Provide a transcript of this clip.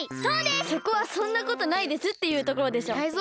そこは「そんなことないです」っていうところでしょ。